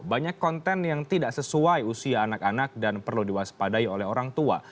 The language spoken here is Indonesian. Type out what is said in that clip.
banyak konten yang tidak sesuai usia anak anak dan perlu diwaspadai oleh orang tua